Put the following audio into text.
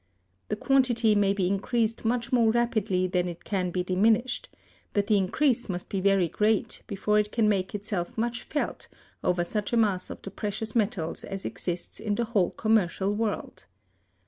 The quantity may be increased much more rapidly than it can be diminished; but the increase must be very great before it can make itself much felt over such a mass of the precious metals as exists in the whole commercial world.